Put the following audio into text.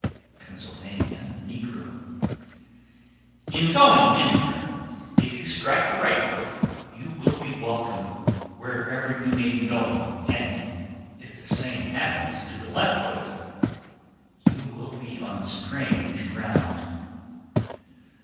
Pennsylvania (negro). 1324. In going anywhere, if you strike the right foot you will be welcome wherever you may be going, and if the same happens to the left foot, you will be on strange ground.